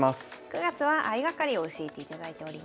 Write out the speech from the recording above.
９月は相掛かりを教えていただいております。